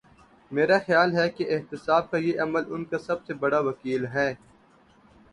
میرا خیال ہے کہ احتساب کا یہ عمل ان کا سب سے بڑا وکیل ہے۔